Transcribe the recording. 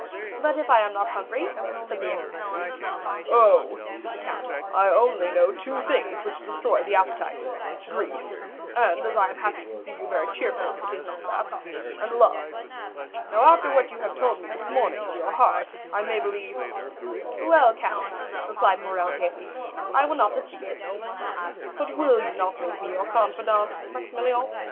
"But if I am not hungry?" said the young man. "Oh," said the count, "I only know two things which destroy the appetite,—grief—and as I am happy to see you very cheerful, it is not that—and love. Now after what you told me this morning of your heart, I may believe——" "Well, count," replied Morrel gayly, "I will not dispute it." "But you will not make me your confidant, Maximilian?"